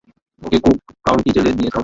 ওকে Cook County জেলে নিয়ে যাও।